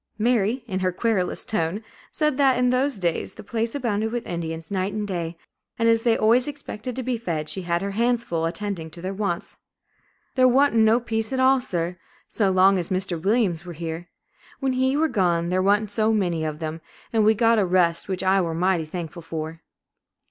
Mary, in her querulous tone, said that in those days the place abounded with Indians, night and day, and as they always expected to be fed, she had her hands full attending to their wants. "There wa'n't no peace at all, sir, so long as Mr. Williams were here; when he were gone there wa'n't so many of them, an' we got a rest, which I were mighty thankful for."